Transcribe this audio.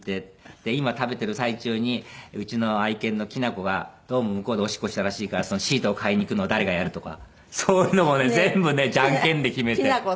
で今食べてる最中にうちの愛犬のきなこがどうも向こうでオシッコしたらしいからそのシートを替えにいくのは誰がやるとかそういうのもね全部ねジャンケンで決めて。